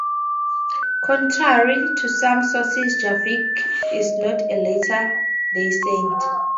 Contrary to some sources, Jarvik is not a Latter-day Saint.